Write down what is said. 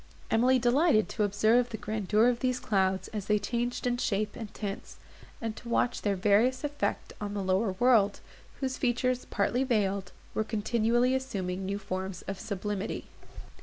Emily delighted to observe the grandeur of these clouds as they changed in shape and tints, and to watch their various effect on the lower world, whose features, partly veiled, were continually assuming new forms of sublimity.